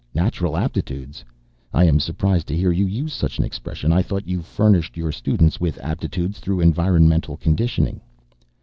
"Natural aptitudes? I am surprised to hear you use such an expression. I thought you furnished your students with aptitudes through environmental conditioning."